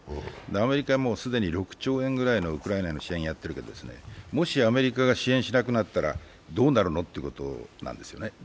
アメリカはもう既に６兆円ぐらいのウクライナの支援をやってるんですけれどももしアメリカが支援しなくなったらどうなるのということなんですよね。